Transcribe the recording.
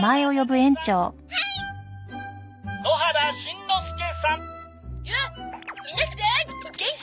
みなさんお元気？」